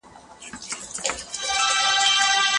ایا خدای انسان ته د مځکي واکداري ورکړه؟